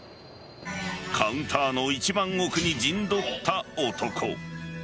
カウンターの一番奥に陣取った男。